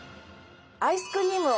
アイスクリームを。